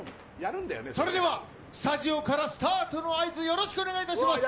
それでは、スタジオからスタートの合図、よろしくお願いいたします。